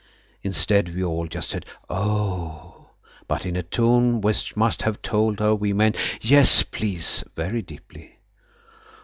Instead we all just said "Oh!" but in a tone which must have told her we meant "Yes, please," very deeply.